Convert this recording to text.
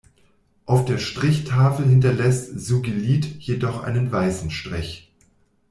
Auf der Strichtafel hinterlässt Sugilith jedoch einen weißen Strich.